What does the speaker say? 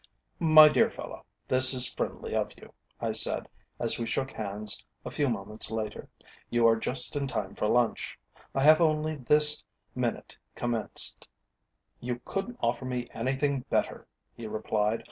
"My dear fellow, this is friendly of you," I said, as we shook hands a few moments later. "You are just in time for lunch. I have only this minute commenced." "You couldn't offer me anything better," he replied.